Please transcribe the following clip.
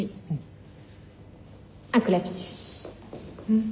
うん。